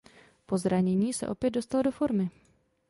Po zranění se opět dostal do formy.